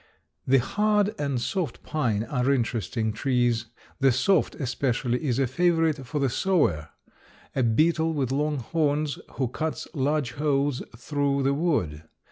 The hard and soft pine are interesting trees. The soft especially is a favorite for the sawyer, a beetle with long horns, who cuts large holes through the wood.